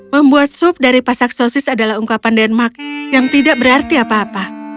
membuat sup dari pasak sosis adalah ungkapan denmark yang tidak berarti apa apa